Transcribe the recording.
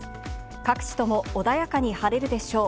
各地とも穏やかに晴れるでしょう。